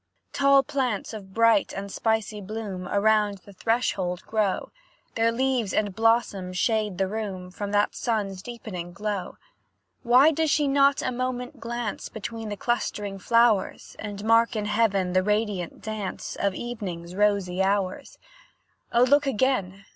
Tall plants of bright and spicy bloom Around the threshold grow; Their leaves and blossoms shade the room From that sun's deepening glow. Why does she not a moment glance Between the clustering flowers, And mark in heaven the radiant dance Of evening's rosy hours? O look again!